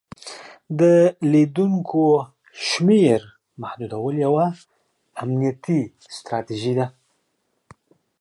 د لیدونکو شمیر محدودول یوه امنیتي ستراتیژي ده.